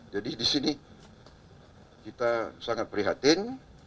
jadi di sini kita sangat prihatin